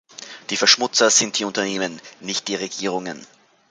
Die Verschmutzer sind die Unternehmen, nicht die Regierungen.